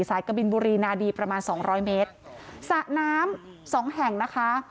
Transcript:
กะบินบุรีนาดีประมาณสองร้อยเมตรสระน้ำสองแห่งนะคะ